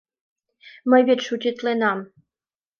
Мый вет шутитленам.